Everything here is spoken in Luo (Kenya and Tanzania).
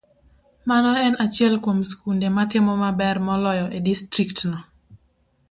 Mano en achiel kuom skunde matimo maber moloyo e distriktno.